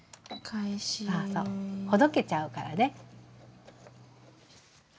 そうそうほどけちゃうからね。